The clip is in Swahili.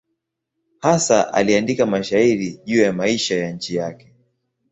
Hasa aliandika mashairi juu ya maisha ya nchi yake.